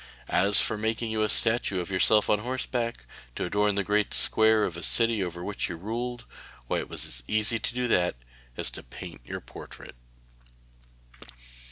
As for making you a statue of yourself on horseback, to adorn the great square of the city over which you ruled why, it was as easy to do that as to paint your portrait!